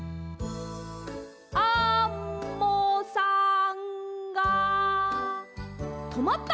アンモさんがとまった！